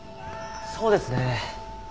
そうですね。